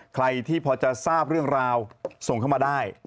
ใครที่พอจะทราบเรื่องราวส่งเข้ามาได้